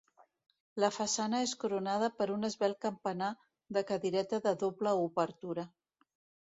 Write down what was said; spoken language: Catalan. La façana és coronada per un esvelt campanar de cadireta de doble obertura.